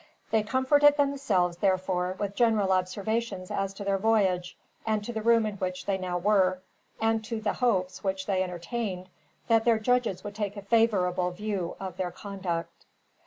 They comforted themselves, therefore, with general observations as to their voyage, and to the room in which they now were; and to the hopes, which they entertained, that their judges would take a favorable view of their conduct.